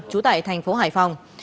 chú tại thành phố hải phòng